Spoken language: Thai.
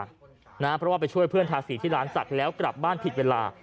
เพราะว่าไปช่วยเพื่อนทาสีที่ร้านศักดิ์แล้วกลับบ้านผิดเวลา